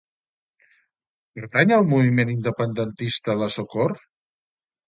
Pertany al moviment independentista la Socor?